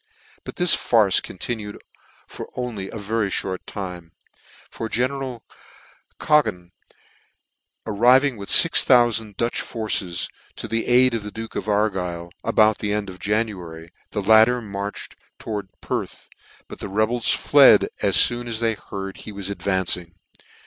But this farce continued only for a very fhort time ; for general Cadogan arriving with fix thou fand Dutch forces to the aid of the duke of Argyle, about the end of January, the latter marched to wards Perth; but the rebels fled, as foon as they heard he was advancing.